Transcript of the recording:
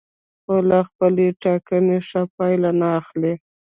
خو له خپلې ټاکنې ښه پایله نه اخلي.